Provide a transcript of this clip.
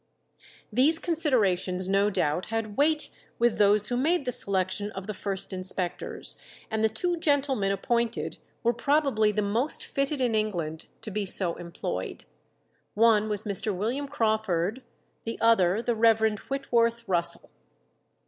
These considerations no doubt had weight with those who made the selection of the first inspectors, and the two gentlemen appointed were probably the most fitted in England to be so employed. One was Mr. William Crawford, the other the Rev. Whitworth Russell.